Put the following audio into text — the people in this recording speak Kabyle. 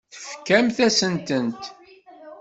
Tefkamt-asen-tent.